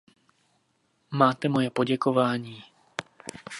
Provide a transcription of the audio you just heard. Máte moje poděkování.